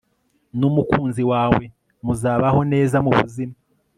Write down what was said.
numukunzi wawe muzabaho neza mubuzima